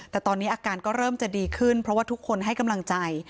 แต่ตอนนี้อาการก็เริ่มจะดีขึ้นเพราะว่าทุกคนให้กำลังใจ